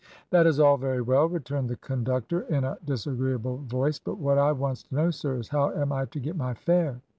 "'That is all very well,' returned the conductor, in a disagreeable voice, 'but what I wants to know, sir, is how am I to get my fare?'